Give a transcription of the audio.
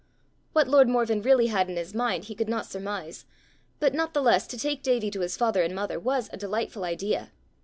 What lord Morven really had in his mind, he could not surmise; but not the less to take Davie to his father and mother was a delightful idea.